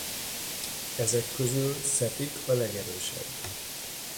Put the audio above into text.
Ezek közül Sepik a legerősebb.